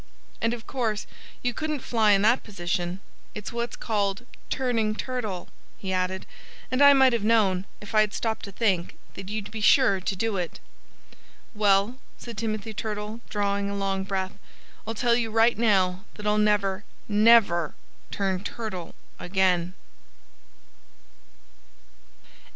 And of course you couldn't fly in that position. It's what's called 'turning turtle,'" he added, "and I might have known if I had stopped to think that you'd be sure to do it." "Well," said Timothy Turtle, drawing a long breath, "I'll tell you right now that I'll never, never, turn turtle again."